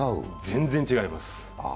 全然違います。